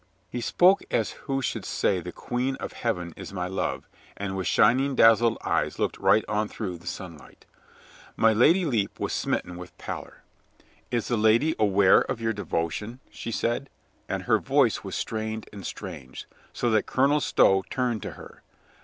He spoke as who should say "the Queen of Heaven is my love," and with shining dazzled eyes looked right on through the sunlight. My Lady Lepe was smitten with pallor. "Is the THE INSPIRATION OF COLONEL STOW 33 lady aware of your devotion?" she said, and her voice was strained and strange, so that Colonel Stow turned to her.